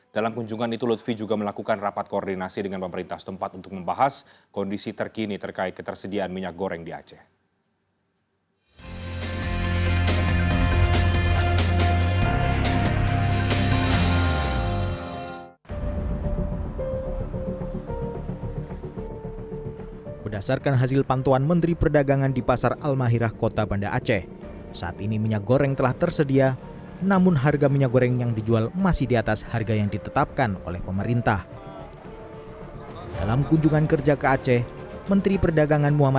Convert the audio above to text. dalam kunjungan itu lutfi juga melakukan rapat koordinasi dengan pemerintah setempat untuk membahas kondisi terkini terkait ketersediaan minyak goreng di aceh